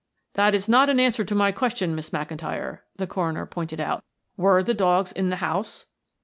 "That is not an answer to my question, Miss McIntyre," the coroner pointed out. "Were the dogs in the house?"